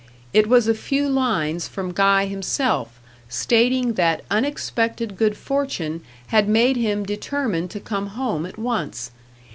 It was a few lines from Guy himself, stating that unexpected good fortune had made him determine to come home at once.